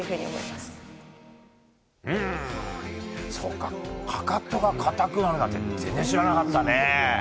かかとが硬くなるなんて全然知らなかったね。